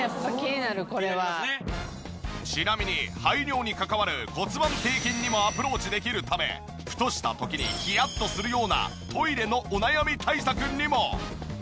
ちなみに排尿に関わる骨盤底筋にもアプローチできるためふとした時にヒヤッとするようなトイレのお悩み対策にも。